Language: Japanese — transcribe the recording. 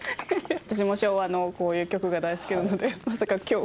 私も昭和のこういう曲が大好きなのでまさか今日。